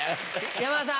山田さん